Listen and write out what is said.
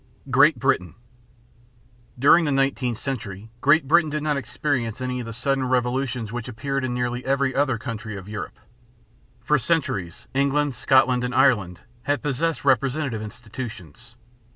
GREAT BRITAIN. During the nineteenth century Great Britain did not experience any of the sudden revolutions which appeared in nearly every other country of Europe. For centuries England, Scotland, and Ireland had possessed representative institutions.